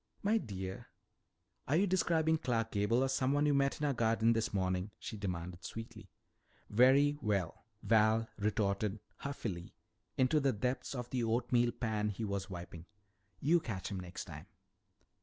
"My dear, are you describing Clark Gable or someone you met in our garden this morning?" she demanded sweetly. "Very well," Val retorted huffily into the depths of the oatmeal pan he was wiping, "you catch him next time."